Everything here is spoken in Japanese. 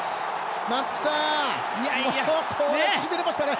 松木さんこれはしびれましたね！